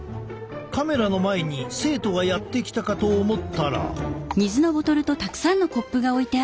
カメラの前に生徒がやって来たかと思ったら。